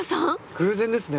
偶然ですね